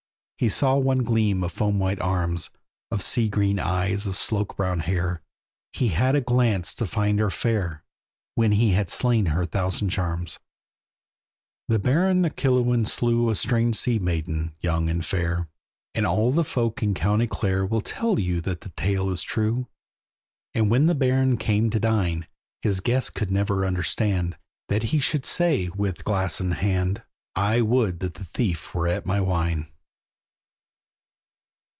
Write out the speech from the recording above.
He saw one gleam of foam white arms, Of sea green eyes, of sloak brown hair; He had a glance to find her fair, When he had slain her thousand charms. The Baron of Killowen slew A strange sea maiden, young and fair; And all the folk in county Clare Will tell you that the tale is true. And when the Baron came to dine, His guests could never understand, That he should say, with glass in hand, "I would the thief were at my wine!"